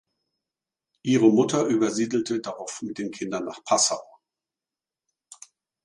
Ihre Mutter übersiedelte darauf mit den Kindern nach Passau.